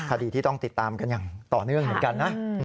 คดีที่ต้องติดตามกันอย่างต่อเนื่องเหมือนกันนะ